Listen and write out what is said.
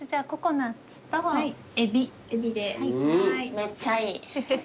めっちゃいい。